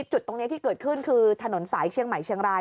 จุดตรงนี้ที่เกิดขึ้นคือถนนสายเชียงใหม่เชียงราย